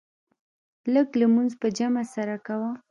لږ لمونځ په جمع سره کوه.